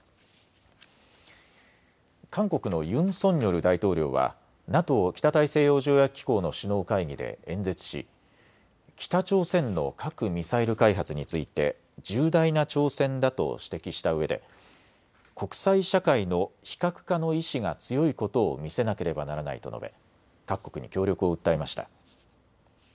韓国のユン・ソンニョル大統領はＮＡＴＯ・北大西洋条約機構の首脳会議で演説し北朝鮮の核・ミサイル開発について重大な挑戦だと指摘したうえで国際社会の非核化の意志が強いことを見せなければならないと述べ各国に協力を訴えました。